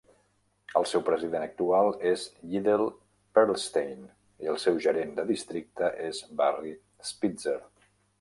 El seu president actual és Yidel Perlstein, i el seu gerent de districte és Barry Spitzer.